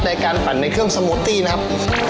การปั่นในเครื่องสมูตตี้นะครับ